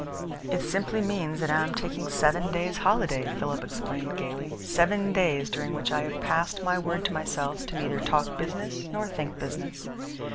"It simply means that I am taking seven days' holiday," Philip explained gaily, "seven days during which I have passed my word to myself to neither talk business nor think business.